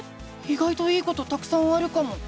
いがいといいことたくさんあるかも！